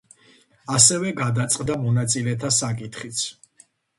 ასევე გადაწყდა მონაწილეთა საკითხიც.